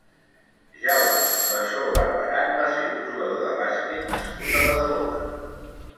Jaume Bassó Barberan va ser un jugador de bàsquet nascut a Badalona.